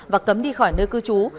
và cấm đi khỏi nơi cư trú